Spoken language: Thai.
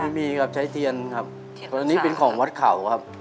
ไม่มีครับใช้เทียนครับเพราะอันนี้เป็นของวัดเขาครับ